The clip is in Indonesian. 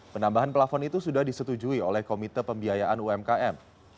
penambahan plafon itu sudah disetujui oleh komite pembiayaan umkm